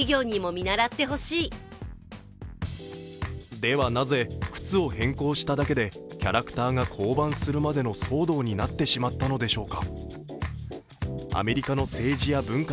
では、なぜ靴を変更しただけでキャラクターが降板するまでの騒動になってしまったのでしょうか。